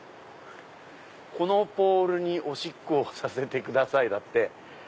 「このポールにおしっこをさせてください」。